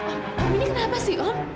om ini kenapa sih om